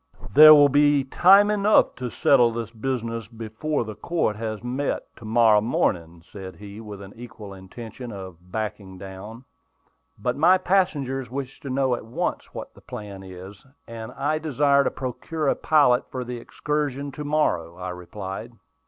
"There will be time enough to settle this business after the court has met to morrow morning," said he, with an evident intention of "backing down." "But my passengers wish to know at once what the plan is, and I desire to procure a pilot for the excursion to morrow," I replied.